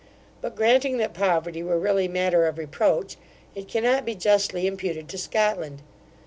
But, granting that poverty were really matter of reproach, it cannot be justly imputed to Scotland.